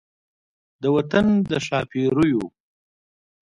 د وطن د ښا پیریو